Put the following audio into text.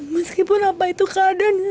meskipun apa itu keadaannya